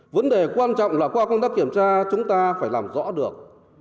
vấn đề quan trọng là qua công tác kiểm tra chúng ta phải làm rõ được